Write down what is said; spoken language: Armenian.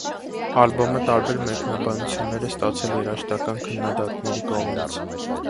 Ալբոմը տարբեր մեկնաբանություններ է ստացել երաժշտական քննադատների կողմից։